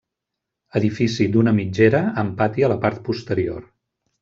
Edifici d'una mitgera, amb pati a la part posterior.